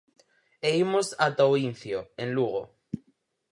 E imos ata O Incio, en Lugo.